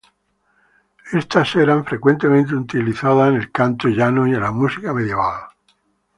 Estas eran frecuentemente utilizadas en el canto llano y en la música medieval.